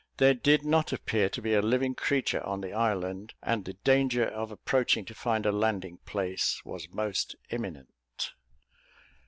There did not appear to be a living creature on the island, and the danger of approaching to find a landing place was most imminent.